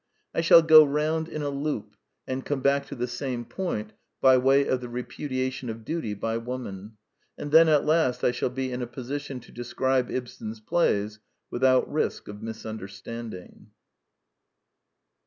I shall go round in a loop, and come back to the same point by way of the repudiation of duty by Woman; and then at last I shall be in a position to describe Ibsen's plays without risk of misunderstanding.